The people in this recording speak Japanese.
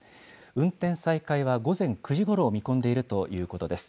運転再開は午前９時ごろを見込んでいるということです。